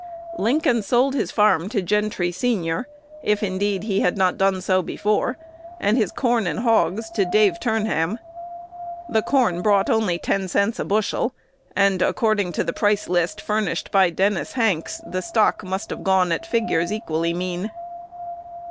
Lincoln sold his farm to Gentry, senior, if, indeed, he had not done so before, and his corn and hogs to Dave Turnham. The corn brought only ten cents a bushel, and, according to the pricelist furnished by Dennis Hanks, the stock must have gone at figures equally mean.